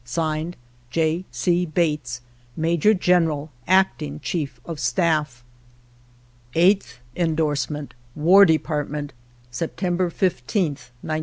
(Signed) J. C. Bates, Major General, Acting Chief of Staff. 8th Endorsement. War Department, September 15th, 1905.